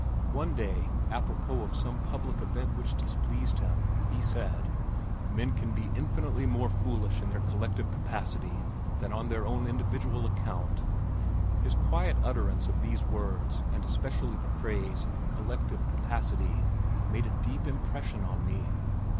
One day, apropos of some public event which displeased him, he said, "Men can be infinitely more foolish in their collective capacity than on their own individual account." His quiet utterance of these words and especially the phrase "collective capacity" made a deep impression on me.